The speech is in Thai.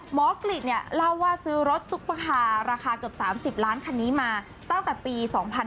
หมอกฤทธิ์เนี่ยเล่าว่าซื้อรถซุปคาราคาเกือบ๓๐ล้านคันนี้มาตั้งแต่ปี๒๕๕๙